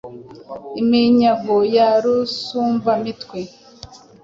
Iminyago ya Rusumba-mitwe,